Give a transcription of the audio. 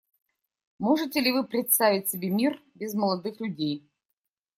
Можете ли вы представить себе мир без молодых людей?